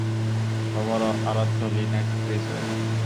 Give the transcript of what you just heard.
সবার আরাধ্য Lynette Ridgeway!